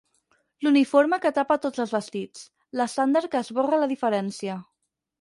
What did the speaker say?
L'uniforme que tapa tots els vestits, l'estàndard que esborra la diferència.